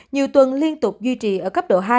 nhiều tuần liên tục duy trì ở cấp độ hai